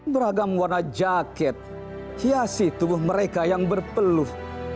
beragam warna jaket hiasi tubuh mereka yang berpeluh